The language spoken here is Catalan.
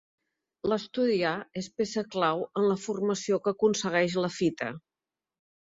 L'asturià és peça clau en la formació que aconsegueix la fita.